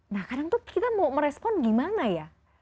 nah kadang tuh kita mau merespon gimana ya